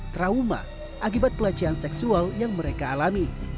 trauma akibat pelecehan seksual yang mereka alami